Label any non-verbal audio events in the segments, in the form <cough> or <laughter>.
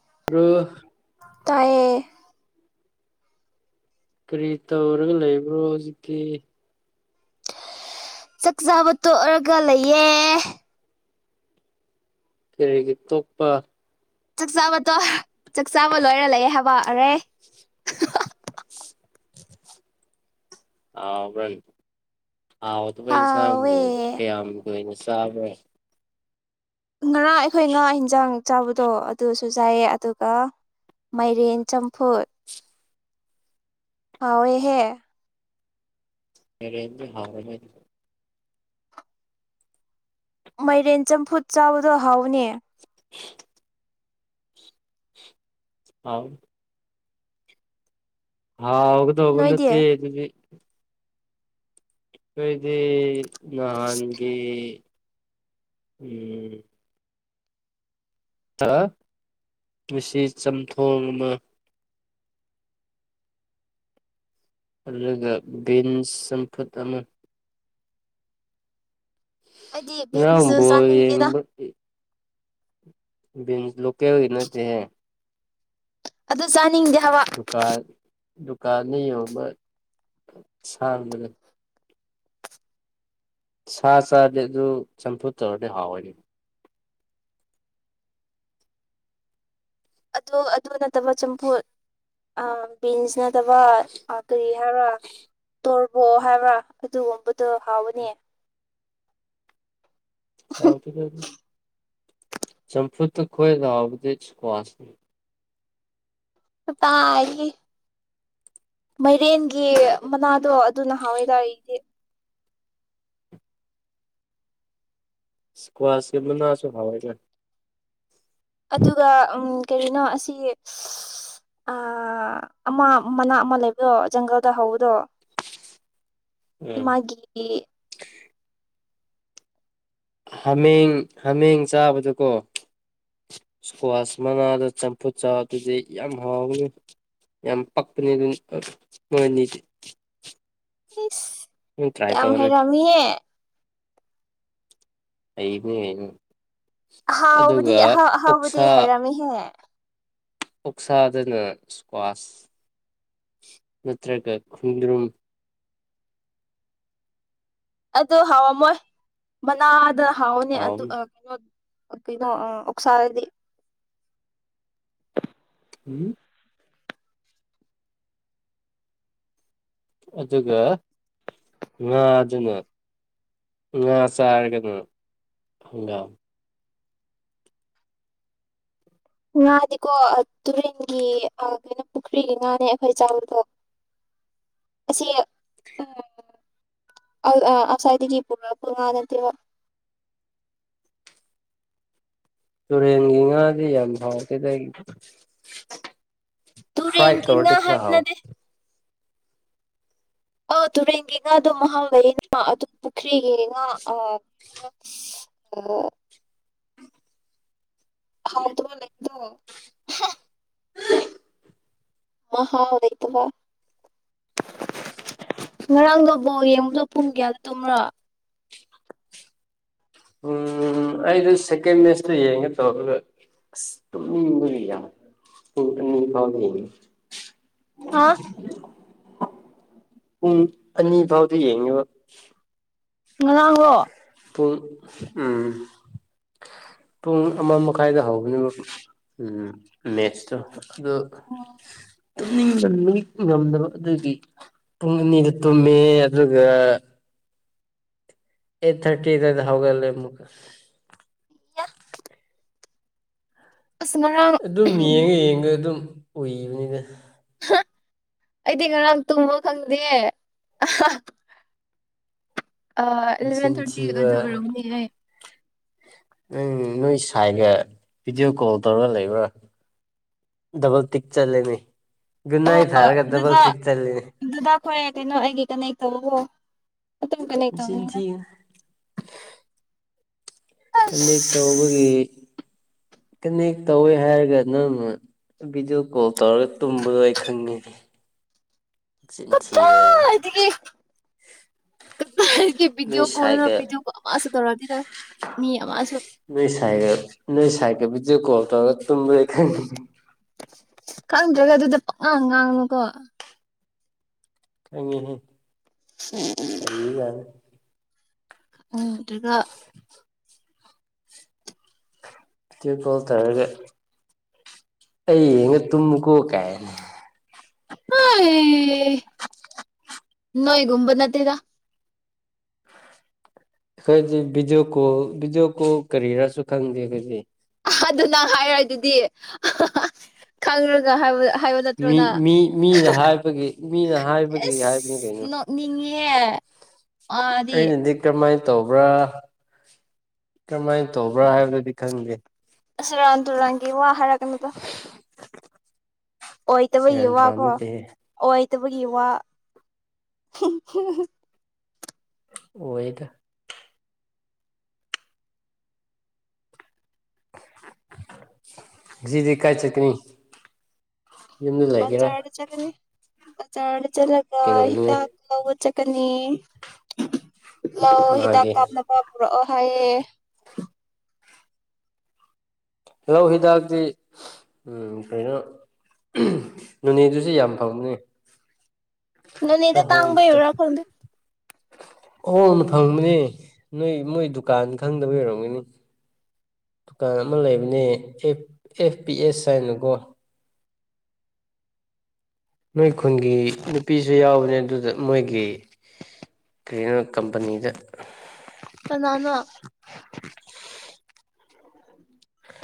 <unintelligible> ꯇꯥꯏꯌꯦ꯫ ꯀꯔꯤ ꯇꯧꯔꯒ ꯂꯩꯕ꯭ꯔꯣ ꯍꯧꯖꯤꯛꯇꯤ꯫ ꯆꯥꯛ ꯆꯥꯕ ꯇꯣꯛꯔꯒ ꯂꯩꯌꯦ꯫ ꯀꯔꯤꯒꯤ ꯇꯣꯛꯄ꯫ ꯆꯥꯛꯆꯥꯥꯕꯇꯣ ꯆꯥꯛꯆꯥꯥꯕ ꯂꯣꯏꯔ ꯂꯩꯑꯦ ꯍꯥꯏꯕ꯫ ꯑꯔꯦ <unintelligible> <unintelligible> ꯍꯥꯎꯇꯕ ꯏꯟꯁꯥꯡꯕꯨ ꯍꯥꯎꯋꯦ ꯀꯌꯥꯝ ꯂꯣꯏꯅ ꯆꯥꯕ꯭ꯔꯣ꯫ ꯉꯔꯥꯡ ꯑꯩꯈꯣꯏ ꯉꯥ ꯏꯟꯖꯥꯡ ꯆꯥꯕꯗꯣ ꯑꯗꯨꯁꯨ ꯆꯥꯏꯌꯦ ꯑꯗꯨꯒ ꯃꯥꯏꯔꯦꯟ ꯆꯝꯐꯨꯠ ꯍꯥꯎꯋꯦꯍꯦ꯫ ꯃꯥꯢꯔꯦꯟ <unintelligible> ꯃꯥꯏꯔꯦꯟ ꯆꯝꯐꯨꯠ ꯆꯥꯕꯗꯣ ꯍꯥꯎꯕꯅꯦ꯫ <unintelligible> ꯍꯥꯎꯒꯧꯗꯧꯕ ꯅꯣꯏꯗꯤ ꯅꯠꯇꯦ ꯑꯗꯨꯗꯤ <inaudible> ꯑꯩꯈꯢꯣꯗꯤ ꯅꯍꯥꯟꯒꯤ ꯎꯝ꯫ <unintelligible> ꯃꯁꯤ ꯆꯝꯊꯣꯡ ꯑꯃ ꯑꯗꯨꯒ ꯕꯤꯟ ꯆꯝꯐꯨꯠ ꯑꯃ꯫ ꯑꯩꯗꯤ ꯉ ꯥꯡ ꯕꯤꯟꯁꯁꯨ ꯕꯣꯜ ꯆꯥꯅꯤꯡꯗꯦꯗ ꯌꯦꯡꯕꯒꯤ꯫ <unintelligible> <unintelligible> ꯑꯗꯨ ꯆꯥꯅꯤꯡꯗꯦ ꯍꯥꯏꯕ ꯗꯨꯀꯥꯟ ꯗꯨꯀꯥꯟꯗ ꯌꯣꯟꯕ <unintelligible> ꯁꯥ ꯆꯥꯔꯗꯤ ꯑꯗꯨ ꯆꯝꯐꯨꯠ ꯇꯧꯔꯗꯤ ꯍꯥꯎꯋꯅꯤ꯫ ꯑꯗꯣ ꯑꯗꯨ ꯅ ꯅꯠꯇꯕ ꯆꯝꯐꯨꯠ ꯑ ꯕꯤꯟꯁ ꯇꯕ ꯑ ꯀꯔꯤ ꯍꯥꯏꯕ ꯇꯣ <unintelligible> ꯍꯥꯏꯕ꯭ꯔꯥ ꯑꯗꯨꯒꯨꯝꯕꯗꯣ ꯍꯥꯎꯕꯅꯦ꯫ ꯍꯥꯎꯇꯦꯗ ꯑꯗꯨ꯫ ꯆꯝꯐꯨꯠꯇ ꯈꯣꯅ ꯍꯥꯎꯕꯗꯤ ꯁꯀ꯭ꯋꯥꯁꯅꯤ꯫ ꯇꯥꯒꯤ ꯃꯥꯏꯔꯦꯟꯒꯤ ꯃꯅꯥꯗꯣ ꯑꯗꯨꯅ ꯍꯥꯎꯋꯦꯗꯥꯛꯏꯗꯤ ꯁꯀ꯭ꯋꯥꯁ ꯀꯦꯕꯨꯅꯁꯣ ꯍꯋꯥꯏꯒ ꯑꯗꯨꯒ ꯀꯔꯤꯅꯣ ꯑꯁꯤ ꯑꯃ ꯃꯅꯥ ꯑꯃ ꯂꯩꯕꯗꯣ ꯖꯪꯒꯜꯗ ꯍꯧꯕꯗꯣ ꯎꯝ ꯃꯥꯒꯤ ꯍꯥꯃꯦꯡ ꯍꯥꯃꯦꯡ ꯆꯥꯕꯗꯀꯣ ꯏꯁꯀ꯭ꯋꯥꯁ ꯃꯅꯥꯗ ꯆꯝꯐꯨꯠ ꯆꯥꯕ ꯑꯗꯨꯗꯤ ꯌꯥꯝ ꯍꯥꯎꯅꯤ ꯌꯥꯝ ꯄꯛꯄꯅꯤ ꯑꯗꯨ ꯃꯣꯏ ꯑꯅꯤꯗꯤ ꯏꯁ ꯅꯪ ꯇ꯭ꯔꯥꯏ ꯌꯥꯝ ꯇꯧꯔꯣꯅꯦ ꯍꯥꯏꯦꯔꯃꯤꯍ ꯑꯩꯅꯦ ꯑꯍꯥꯎꯕꯗꯤ ꯑꯍꯥꯎ ꯑꯍꯥꯎꯕꯗꯤ ꯑꯣꯛꯁꯥ ꯍꯥꯏꯔꯝꯃꯤꯍꯦ ꯑꯣꯛꯁꯥꯗꯅ ꯏꯁꯀ꯭ꯋꯥꯁ ꯅꯠꯇ꯭ꯔꯒ ꯈꯨꯣꯡꯗ꯭ꯔꯨꯝ ꯑꯗꯨ ꯍꯥꯎꯝꯃꯣꯏ ꯃꯅꯥꯗ ꯍꯥꯎꯅꯦ ꯑꯗꯨ ꯍꯥꯎꯕꯅꯤ ꯑ ꯀꯩꯅꯣ ꯑꯣꯁꯗꯤ ꯎꯝ ꯑꯗꯨꯒ ꯉꯥ ꯑꯗꯨꯅ ꯉꯥ ꯆꯥꯔꯒꯅ ꯍꯪꯒꯥꯝꯃꯤ ꯉꯥꯗꯤꯀꯣ ꯇꯨꯔꯦꯟꯒꯤ ꯀꯩꯅꯣ ꯄꯨꯈ꯭ꯔꯤꯒꯤ ꯉꯥꯅꯦ ꯑꯩꯈꯣꯏ ꯆꯥꯕꯗꯣ ꯑꯁꯤ ꯎꯝ ꯑꯥꯎꯠꯁꯥꯏꯗꯗꯒꯤ ꯄꯨꯔꯛꯄ ꯉꯥ ꯅꯠꯇꯦꯕ ꯇꯨꯔꯦꯟꯒꯤ ꯉꯥꯗꯤ ꯌꯥꯝ ꯐꯥꯎ ꯀꯦꯗ ꯇꯨ ꯔꯦꯒꯤꯤꯉ ꯍꯥꯠꯅꯗꯦ ꯑꯧ ꯇꯨꯔꯦꯟꯒꯤ ꯉꯥꯗꯣ ꯃꯍꯥꯎ ꯂꯩꯅ ꯑꯗꯨ ꯄꯨꯈ꯭ꯔꯤꯒꯤ ꯉꯥ ꯀ ꯍꯥꯎꯗꯂ ꯏꯗꯨ <unintelligible> ꯃꯍꯥꯎ ꯂꯩꯇꯕ ꯉꯔꯥꯡ ꯅꯕꯣ ꯌꯦꯡꯉꯗꯣ ꯄꯨꯡ ꯀꯌꯥꯟ ꯇꯨꯝ꯭ꯔꯣ ꯎꯝ ꯑꯩꯗꯤ ꯁꯦꯀ ꯃꯦꯁꯇ ꯌꯦꯡꯉꯦ ꯇꯧꯔꯒ ꯍꯥꯥ ꯎꯝ ꯑꯅꯤ ꯐꯥꯎꯗꯤ ꯌꯦꯡꯦ ꯉ ꯂꯥꯡꯉꯣ ꯄꯨꯡ ꯎ ꯄꯨꯡ ꯑꯃ ꯃꯈꯥꯏꯗ ꯍꯧꯕꯅꯦꯕ ꯎ ꯃꯦꯠꯁꯇꯣ ꯑꯗꯣ ꯑꯣ ꯇꯨꯝꯅꯤꯡꯅꯤꯡ ꯉꯝꯗꯕ ꯑꯗꯨꯗꯤ ꯄꯨꯡ ꯑꯅꯤꯗ ꯇꯨꯝꯃꯦ ꯑꯗꯨꯒ ꯑꯩꯠ ꯊꯔꯇꯤꯗ ꯑꯗꯨ ꯍꯒꯂꯦ ꯃꯒ <inaudible> ꯑꯁ ꯉꯔꯥꯡ ꯑꯗꯨꯝ ꯌꯦꯡꯉ ꯌꯦꯡꯉ ꯑꯗꯨꯝ ꯑꯣꯏꯕꯅꯤꯅꯦ ꯑꯩꯗꯤ ꯉꯔꯥꯡ ꯇꯨꯝꯕ ꯈꯪꯗꯦ ꯏꯂꯚꯦꯟ ꯆꯤꯟ ꯊꯥꯔꯇꯤ ꯊꯤꯕ ꯑꯗꯨ ꯑꯣꯏꯔꯛꯅꯦ ꯑꯩ ꯅꯪ ꯅꯣꯏ ꯁꯥꯏꯒ ꯚꯤꯗꯤꯑꯣ ꯀꯣꯜ ꯇꯧꯔꯒ ꯂꯩꯕ꯭ꯔꯥ ꯗꯕꯜ ꯇꯤꯛ ꯆꯠꯂꯅꯤ ꯑꯣ ꯑꯣ ꯗꯗꯥ ꯗꯗꯥ ꯑꯩꯣꯏ ꯀꯩꯅꯣ ꯑꯩꯒꯤ ꯀ <unintelligible> ꯑꯠꯇ ꯀꯅꯦ ꯅꯆꯤꯟ ꯇꯅꯤꯅ ꯊꯤꯒꯅꯨ ꯀꯅꯦꯛ ꯇꯧꯕꯒꯤ ꯀꯅꯦꯛ ꯇꯧꯋꯦ ꯍꯥꯏꯔꯒ ꯅꯪꯅ ꯚꯤꯗꯤꯑꯣ ꯀꯣꯜ ꯇꯧꯔꯒ ꯇꯨꯝꯕꯗꯣ ꯑꯩ ꯈꯪꯉꯤꯅꯦ ꯆꯤꯟꯊꯕ ꯀꯗꯥꯏꯗꯒꯤ ꯑꯩꯒꯤ ꯅꯣꯏ ꯚꯤꯗꯤꯑꯣ ꯁ ꯀꯣꯜꯗꯅ ꯚꯤꯗꯤꯑꯣ ꯀꯣꯜ ꯑꯃꯁꯨ ꯇꯧꯔꯛꯑꯗꯤꯅ ꯃꯤ ꯑꯃꯁꯨ ꯅꯣꯏ ꯁꯒ ꯅ ꯁꯥꯏ ꯀꯣ ꯇꯒ ꯇ ꯈ ꯀꯔꯝꯗ꯭ꯔꯒ ꯑꯗꯨꯗ ꯄ ꯉꯥꯡ ꯉꯥꯡꯅꯨꯀꯣ ꯑꯉꯅꯦ ꯑꯩꯒ ꯎꯇꯒ ꯇ ꯀꯣꯜ ꯇꯔꯒ ꯑꯩ ꯌꯦꯡꯉ ꯇꯨꯝꯃꯨ ꯀꯣꯛ ꯀꯥꯏꯅꯤ ꯍ ꯅꯣꯣꯏꯒꯨꯝꯕ ꯅꯠꯇꯦꯗ ꯑꯩꯈꯣꯏꯗꯤ ꯚꯤꯗꯤꯑꯣ ꯀꯣꯜ ꯚꯤꯗꯤꯑꯣ ꯀꯣꯜ ꯀꯔꯤꯔꯁꯨ ꯈꯪꯗꯦ ꯑꯩꯈꯣꯏꯗꯤ ꯑꯗꯨꯅ ꯍꯥꯏꯔ ꯑꯗꯨꯗꯤ ꯈꯪꯒ ꯍꯥꯏꯕꯗ ꯃꯤ ꯃꯤ ꯃꯤꯅ ꯍꯥꯏꯕꯒꯤ ꯃꯤꯅ ꯍꯥꯏꯕꯒꯤ ꯍꯥꯏꯕꯅꯤ ꯀꯩꯅꯣ ꯑꯦꯁ <unintelligible> ꯃꯥꯗꯤ ꯑꯩ ꯅꯗꯤꯗꯔ ꯃꯥꯥꯏ ꯇꯧꯕ꯭ꯔꯥ ꯀꯔꯝꯃꯥꯏꯅ ꯇꯧꯕ꯭ꯔꯥ ꯍꯥꯏꯕꯗꯨꯗꯤ ꯈꯪꯗꯦ ꯁꯨꯔꯥꯟ ꯇꯨꯔꯪ <unintelligible> ꯑꯣꯏꯣꯏꯇꯕ ꯌꯨ ꯁꯦꯔꯥꯟ ꯇꯨꯔꯥꯟ ꯋꯥꯀꯣ ꯅꯠꯇꯦꯍꯦ ꯑꯣꯏ ꯐꯠꯇꯕꯒꯤ ꯋꯥ ꯑꯣꯏꯗ ꯖꯤ ꯖꯤ ꯀꯥꯏ ꯆ ꯀꯅꯤ ꯖꯔꯔꯦ ꯆꯂꯅꯤ ꯆꯥꯔꯕꯔ‌ꯣ ꯆꯂꯒ ꯀꯩꯗꯧꯅꯤ ꯍꯗꯂ ꯆꯀꯅꯤ ꯂꯑꯣ ꯍ ꯇ ꯀꯅꯥꯒꯤ ꯀꯞꯅ ꯄ ꯑꯣ ꯍꯌꯦ ꯍꯜꯂꯣ ꯍꯤꯗꯥꯛꯇꯤ ꯀꯩꯅꯣ ꯅꯣꯅꯦꯗꯨꯁꯨ ꯌꯥꯝ ꯐꯪꯕꯅꯤ ꯅꯅꯦꯗ ꯇꯥꯡꯕꯩ ꯑꯣꯏꯔ ꯈꯣꯗ ꯑꯣꯅ ꯐꯪꯕꯅꯦ ꯅꯣꯏ ꯃꯣꯏ ꯗꯨꯀꯥꯟ ꯈꯪꯗꯕ ꯑꯣꯏꯔꯝꯒꯅꯤ ꯗꯨꯀꯥꯟ ꯑꯃ ꯂꯩꯕꯅꯦ ꯑꯦꯐ ꯄꯤ ꯑꯦꯁ ꯍꯥꯏꯅꯀꯣ ꯅꯣꯏ ꯈꯨꯟꯒꯤ ꯅꯨꯄꯤꯁꯨ ꯌꯥꯎꯕꯅꯦ ꯑꯗꯨꯗ ꯃꯣꯏꯒꯤ ꯀꯔꯤꯅꯣ ꯀꯝꯄꯅꯤꯗ ꯀꯅꯥꯅ‌ꯣ <unintelligible>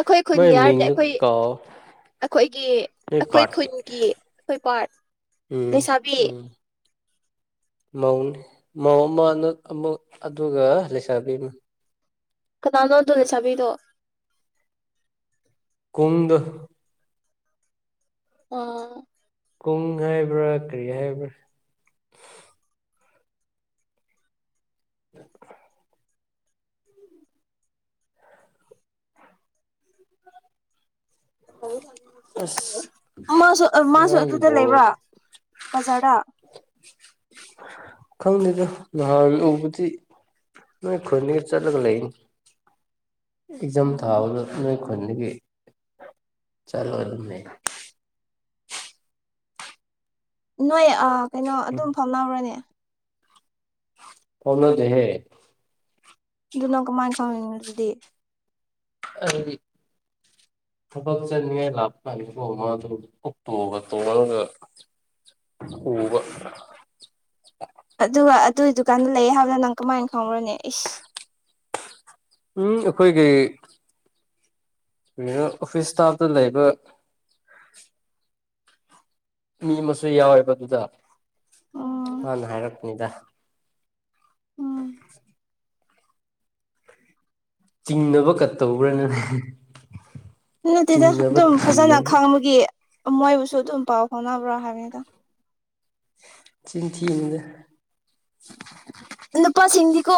ꯑꯩꯈꯣꯏ ꯃꯣꯏ ꯈꯨꯟꯒꯤ ꯍꯥꯏꯔꯗꯤ ꯃꯤꯡꯗꯨ ꯑꯩꯈꯣꯏ ꯀꯥꯎ ꯑꯩꯈꯣꯏꯒꯤ ꯅꯣꯏ ꯑꯩꯈꯣꯏ ꯄꯥꯔꯠꯀꯤ ꯈꯨꯟꯒꯤ ꯑꯩꯈꯣꯏ ꯄꯥꯔꯠ ꯂꯩꯁꯥꯕꯤ ꯧꯅꯤ ꯃꯧ ꯑꯃ ꯑꯃꯨꯛ ꯑꯗꯨꯒ ꯂꯩꯁꯥꯕꯤ ꯑꯃ ꯀꯅꯥꯅꯣꯗꯣꯅ ꯆꯥꯕꯤꯗꯣ ꯀꯨꯡꯗ ꯑꯥ ꯀꯨꯡ ꯍꯥꯏꯕ꯭ꯔꯥ ꯀꯔꯤ ꯍꯥꯏꯕ꯭ꯔꯥ ꯑꯥ ꯑꯁ ꯃꯥꯁꯨ ꯃꯥꯁꯨ ꯉꯔꯥꯡ ꯑꯗꯨꯗ ꯕꯣꯜ ꯂꯩꯕ꯭ꯔꯥ ꯕꯖꯥꯔꯗ ꯈꯪꯗꯦꯗ ꯅꯍꯥꯟ ꯎꯕꯗꯤ ꯅꯣꯏ ꯈꯨꯣꯏꯒ ꯆꯠꯂꯒ ꯂꯩꯅꯤ ꯑꯦꯛꯖꯥꯝ ꯎꯝ ꯊꯥꯕꯗ ꯅꯣꯏ ꯃꯅꯤꯒꯤ ꯆꯂ ꯋꯥꯔ ꯃꯇꯨꯡꯏꯟꯅ <inaudible> ꯅꯣꯏ ꯑ ꯀꯩꯅꯣ ꯑꯗꯨꯝ ꯐꯥꯎꯅꯧꯔꯅꯦ ꯐꯅꯗꯍꯦ ꯑꯗꯨꯅꯪ ꯀꯃꯥꯏꯅ ꯈꯪꯅꯤꯡꯅꯣ ꯑꯗꯨꯗꯤ ꯍꯥꯏꯗꯤ ꯊꯕꯛ ꯆꯠꯅꯤꯡꯉꯥꯏ ꯂꯥꯞꯄ ꯀꯥꯟꯗꯀꯣ ꯃꯥꯗꯨ ꯀꯇꯣꯛꯕ ꯇꯣꯛꯉꯒ ꯎꯕ ꯑꯗꯨꯒꯤ ꯗꯨꯀꯥꯟꯗ ꯂꯩꯑꯦ ꯍꯥꯏꯕꯗ ꯅꯪ ꯀꯃꯥꯏꯅ ꯈꯪ꯭ꯔꯣꯅꯦ ꯏꯁ ꯎꯝ ꯑꯩꯈꯣꯏꯒꯤ ꯑꯣꯐꯤꯁꯁ ꯏꯁꯇꯞ ꯂꯩꯕꯔꯥ ꯃꯤ ꯑꯃꯁꯨ ꯌꯥꯎꯋꯦꯕꯗꯨꯗ ꯑ ꯎꯝ ꯅ ꯍꯥꯏꯔꯛ ꯑꯅꯤꯗ ꯎꯝ ꯏꯁ <inaudible> ꯆꯤꯡꯅꯕ ꯀꯠꯇꯧꯕ꯭ꯔꯥꯅ ꯅꯠꯇꯗ ꯑꯗꯨꯝ ꯐꯖꯅ ꯈꯪꯕꯒꯤ ꯃꯣꯏꯕꯨꯁꯨ ꯑꯗꯨꯝ ꯄꯥꯎ ꯐꯥꯎꯅꯕ꯭ꯔꯣ ꯍꯥꯏꯕꯅꯤꯗ ꯆꯤꯟꯊꯗ ꯀꯣ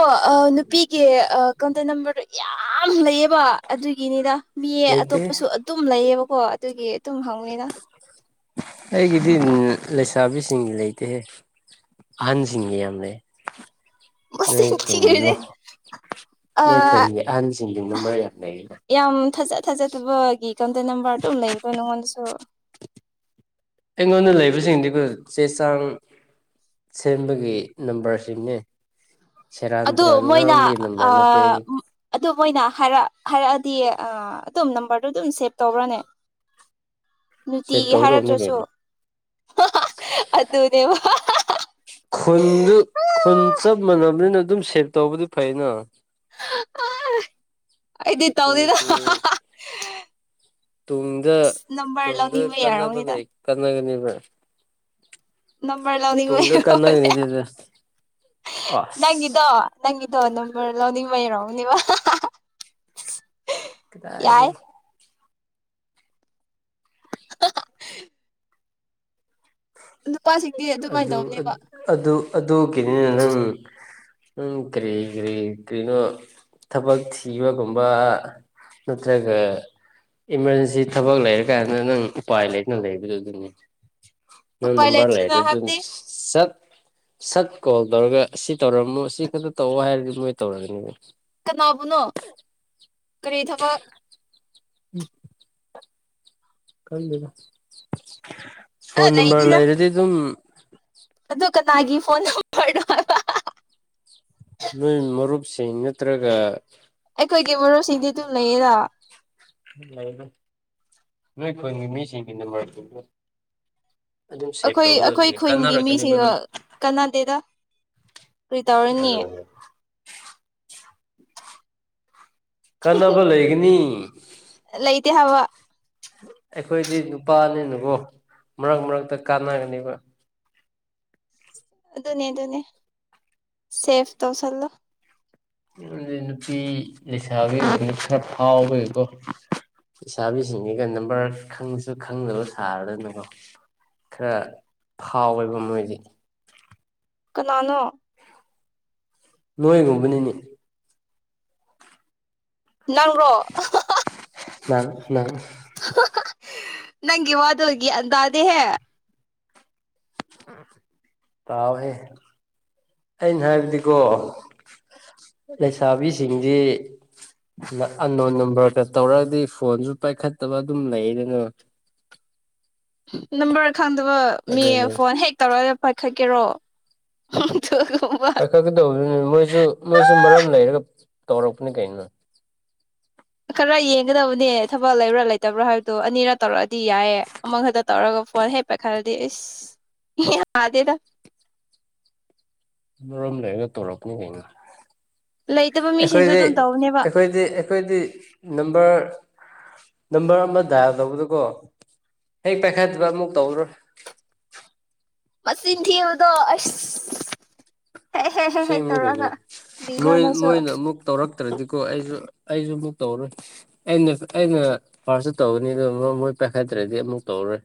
ꯅꯨꯄꯤꯒꯤ ꯀꯥꯎꯟꯇꯔ ꯅꯝꯕꯔ ꯌꯥꯝ ꯂꯩꯌꯦꯕ ꯑꯗꯨꯒꯤꯅꯤꯗ ꯃꯤꯌꯦ ꯂꯩꯇꯦ ꯑꯇꯣꯞꯄꯁꯨ ꯑꯗꯨꯝ ꯂꯩꯌꯦꯕ ꯍꯣ ꯑꯗꯨꯒꯤ ꯑꯗꯨꯝ ꯍꯪꯉꯤꯅ ꯑꯩꯒꯤꯗꯤ ꯂꯩꯁꯥꯕꯤꯁꯤꯡꯒꯤ ꯂꯩꯇꯦꯍꯦ ꯑꯍꯟꯁꯤꯡꯒꯤ ꯌꯥꯝ ꯂꯩ ꯅꯣꯏ ꯃꯁꯤꯡ ꯈꯨꯟꯒꯤꯀꯣ ꯊꯤꯔꯗꯤ ꯑ ꯅꯣꯏ ꯈꯨꯟꯒꯤ ꯑꯍꯟꯁꯤꯡꯗꯨꯅ ꯃꯔ ꯌꯥꯝ ꯂꯩꯔꯤꯅ ꯌꯥꯝ ꯊꯥꯖ ꯊꯥꯖꯗꯕꯒꯤ ꯀꯟꯇꯦꯛ ꯅꯝꯕꯔꯗ ꯂꯩꯕꯗꯣ ꯅꯉꯣꯟꯗꯁꯨ ꯑꯩꯉꯣꯟꯗ ꯂꯩꯕꯁꯤꯡꯗꯤ ꯑꯩꯈꯣꯏ ꯆꯦ ꯆꯥꯡ ꯁꯦꯝꯕꯒꯤ ꯅꯝꯕꯔꯁꯤꯡꯅꯦ ꯁꯦꯔꯥꯟ ꯑꯗꯨ ꯇꯨꯔꯥꯟ ꯃꯣꯏꯅ ꯉꯥꯡꯕꯒꯤ ꯅꯝꯕꯔ ꯅꯠꯇꯦ ꯑꯩꯒꯤ ꯑꯗꯨ ꯃꯣꯏꯅ ꯍꯥꯏꯔ ꯍꯥꯏꯔ ꯗꯤ ꯑꯗꯨꯝ ꯅꯝꯕꯔꯗꯨ ꯑꯗꯨꯝ ꯁꯦꯚ ꯇꯧꯕ꯭ꯔꯅꯦ ꯁꯦ ꯅꯨꯡꯇꯤꯒꯤ ꯇꯧꯗꯧꯅꯤ ꯍꯥꯏꯔꯛꯇ꯭ꯔꯁꯨ ꯀꯩꯅꯣ ꯑꯗꯨꯅꯦꯕ ꯈꯨꯟꯗꯨ ꯈꯨꯟ ꯆꯞ ꯃꯥꯟꯅꯕꯅꯤꯅ ꯑꯗꯨꯝ ꯁꯦꯚ ꯇꯧꯕꯗꯤ ꯐꯩꯅ ꯑꯩꯗꯤ ꯀꯔꯤ ꯇꯧꯗꯗ ꯀꯔꯤ ꯇꯨꯡꯗ ꯇꯨꯡꯗ ꯂꯧꯅꯤꯡꯕ ꯀꯟꯅꯕ ꯌꯥꯔꯝꯅꯤꯗ ꯂꯩ ꯀꯟꯅꯒꯅꯤꯕ <inaudible> ꯅꯝꯕꯔ ꯂꯧꯅꯤꯡꯕ ꯑꯁ ꯅꯪꯒꯤꯗꯣ ꯅꯪꯒꯤꯗꯣ ꯗꯣ ꯅꯝꯕꯔ ꯂꯧꯅꯤꯡꯕꯩ ꯑꯣꯏꯔꯝꯅꯤꯕ ꯀꯗꯥꯏꯗꯩꯩ ꯅꯨꯄꯥꯁꯤꯡꯗꯤ ꯑꯗꯨꯃꯥꯏꯅ ꯑꯗꯨ ꯇꯧꯕꯅꯦꯕ ꯑꯗꯨ ꯑꯗꯨꯒꯤꯅꯤꯅ ꯅꯪ ꯅꯪ ꯀꯔꯤ ꯀꯔꯤ ꯀꯔꯤꯅꯣ ꯊꯕꯛ ꯊꯤꯕꯒꯨꯝꯕ ꯅꯠꯇ꯭ꯔꯒ ꯏꯃꯥꯔꯖꯦꯟꯁꯤ ꯊꯕꯛ ꯂꯩꯔꯀꯥꯟꯗ ꯅꯪ ꯎꯄꯥꯏ ꯂꯩꯅ ꯂꯩꯕꯗꯨ ꯑꯗꯨꯅꯤ ꯅꯪ ꯎꯄꯥꯏ ꯂꯩꯇ꯭ꯔꯤꯅ ꯅꯝꯕꯔꯂꯩꯔ ꯑꯗꯨ ꯍꯥꯏꯕꯗꯤ ꯁꯠ ꯁꯠ ꯀꯣꯜ ꯇꯧꯔꯒ ꯁꯤ ꯇꯧꯔꯝꯃꯣ ꯁꯤ ꯈꯛꯇ ꯇꯧꯑꯣ ꯍꯥꯏꯔꯗꯤ ꯃꯣꯏ ꯇꯧꯔꯒꯅꯤꯕ ꯀꯅꯥꯕꯨꯅꯣ ꯀꯔꯤ ꯊꯕꯛ ꯎꯝ ꯈꯪꯗꯦꯗꯥ ꯐꯣꯟ ꯅꯝꯕꯔ ꯂꯩꯗꯤꯗ ꯂꯩꯔꯗꯤ ꯑꯗꯨꯝ <inaudible> ꯑꯗꯨ ꯀꯅꯥꯒꯤ ꯐꯣꯟ ꯅꯝꯕꯔꯅꯣ ꯍꯥꯏꯕ ꯁꯦꯡꯅ ꯑꯩꯈꯣꯏꯒꯤ ꯃꯔꯨꯞꯁꯤꯡꯗꯤ ꯑꯗꯨ ꯂꯩꯌꯦꯗ ꯅꯣꯏ ꯈꯨꯟꯒꯤ ꯃꯤꯁꯤꯡꯒꯤ ꯅꯝꯕꯔ ꯑꯩꯈꯣꯏ ꯑꯩꯈꯣꯏ ꯈꯨꯟꯒꯤ ꯃꯤꯁꯤꯡꯗ ꯀꯅꯥꯗꯦꯗ ꯑꯗꯨꯒꯅꯦ ꯀꯥꯟꯅꯕ ꯂꯩꯒꯅꯤ <inaudible> ꯂꯩꯇꯦ ꯍꯥꯏꯕ ꯑꯩꯈꯣꯏꯗꯤ ꯅꯨꯄꯥꯅꯤꯅꯕꯀꯣ ꯃꯔꯛ ꯃꯔꯛꯇ ꯀꯥꯟꯅꯒꯅꯤꯕ ꯑꯗꯨꯅꯦ ꯑꯗꯨꯅꯦ ꯁꯦꯐ ꯇꯧꯁꯜꯂꯣ ꯗꯤ ꯅꯨꯄꯤ ꯂꯩꯁꯥꯕꯤꯁꯤꯡꯅ ꯈꯔ ꯐꯥꯎꯕꯒꯤꯀꯣ ꯂꯩꯁꯥꯕꯤꯁꯤꯡꯁꯤꯒ ꯅꯝꯕꯔ ꯈꯪꯁꯨ ꯈꯪꯗꯕ ꯁꯔꯒꯅꯦꯀꯣ ꯈꯔ ꯐꯥꯎꯋꯦꯕ ꯃꯣꯏꯗꯤ ꯀꯅꯥꯅꯣ ꯅꯣꯏꯒꯨꯝꯕꯅꯤꯅꯦ ꯅꯪꯔꯣ ꯅꯪ ꯅꯪ ꯅꯪꯒꯤ ꯋꯗꯨꯗꯤ ꯒꯌ꯭ꯥꯟ ꯇꯥꯗꯦꯍꯦ ꯇꯥꯎꯋꯦ ꯑꯩꯅ ꯍꯥꯏꯕꯗꯤꯀꯣ ꯂꯩꯁꯥꯕꯤꯁꯤꯡꯁꯤ ꯑꯟꯅꯣꯟ ꯅꯝꯕꯔꯗ ꯇꯧꯔꯗꯤ ꯐꯣꯟꯁꯨ ꯄꯥꯏꯈꯠꯇꯕ ꯑꯗꯨꯝ ꯂꯩꯗꯅ ꯅꯝꯕꯔ ꯈꯪꯗꯕ ꯃꯤ ꯑꯗꯨꯅꯤ ꯐꯣꯟ ꯍꯦꯛ ꯇꯧꯔꯒ ꯄꯥꯏꯈꯠꯀꯦꯔꯣ ꯄꯥꯏꯈꯠꯀꯗꯧꯕꯗꯨꯅꯤ ꯃꯣꯏꯁꯨ ꯃꯣꯏꯁꯨ ꯃꯔꯝ ꯂꯩꯔꯒ ꯇꯧꯔꯛꯄꯅꯦ ꯀꯩꯅꯣ ꯈꯔ ꯌꯦꯡꯒꯗꯕꯅꯦ ꯊꯕꯛ ꯂꯩꯕ꯭ꯔꯥ ꯂꯩꯇꯕ꯭ꯔꯥ ꯍꯥꯏꯕꯗꯣ ꯑꯅꯤꯔ ꯇꯧꯔꯛꯑꯗꯤ ꯌꯥꯏꯌꯦ ꯑꯃ ꯈꯛꯇ ꯇꯧꯔꯒ ꯐꯣꯟ ꯍꯦꯛꯄꯦ ꯈꯔꯂꯗꯤ ꯏꯁꯁ ꯌꯥꯗꯦꯗ ꯔꯝ ꯂꯩꯒ ꯇꯔꯄꯅꯤ ꯂꯩꯦ ꯂꯩꯇꯕ ꯃꯤꯁꯤꯡꯁꯨ ꯑꯩꯈꯣꯏꯗꯤ ꯑꯗꯨꯝ ꯇꯧꯕꯅꯦꯕ ꯑꯩꯈꯣꯏꯗꯤ ꯑꯩꯈꯣꯏꯗꯤ ꯅꯝꯕꯔ ꯅꯝꯕꯔ ꯑꯃ ꯗꯥꯏꯜ ꯇꯧꯕꯗꯨꯀꯣ ꯍꯦꯛ ꯄꯥꯏꯈꯠꯠꯇꯕ ꯑꯃꯨꯛ ꯇꯧꯔꯣꯏ ꯃ ꯏꯤꯟ ꯊꯤ ꯌꯗꯣ ꯑꯁ ꯍꯦꯛ ꯍꯦꯛ ꯍꯦꯛ ꯍꯦꯛ ꯁꯦꯡꯅꯤ ꯇꯧꯔꯒ ꯀꯩꯅꯣꯏ ꯀꯔꯤꯅꯣ ꯃ‌ꯣꯏ ꯅꯪꯁꯨ ꯃꯣꯏꯅ ꯑꯃꯨꯛ ꯇꯧꯔꯛꯇ꯭ꯔꯗꯤꯀꯣ ꯑꯩꯁꯨ ꯑꯩꯁꯨ ꯑꯃꯨꯛ ꯇꯧꯔꯣꯏ ꯑꯩꯅ ꯑꯩꯅ ꯐꯥꯔꯁꯇ ꯇꯧꯒꯅꯤ ꯑꯗꯨ ꯃꯣꯏ ꯄꯥꯏꯈꯠꯇ꯭ꯔꯗꯤ ꯑꯃꯨꯛ ꯇꯧꯔꯤꯔꯣꯏ